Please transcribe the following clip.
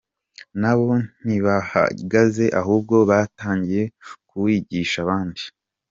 Nabo ntibahagaze ahubwo batangiye kuwigisha abandi.